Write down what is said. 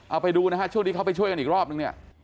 อาไปดูช่วงนี้เข้าไปช่วยอีกรอบหนึ่ง